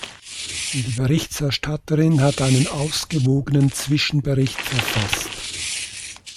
Die Berichterstatterin hat einen ausgewogenen Zwischenbericht verfasst.